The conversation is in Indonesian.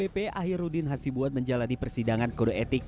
akbp ahirudin hasibuat menjalani persidangan kode etik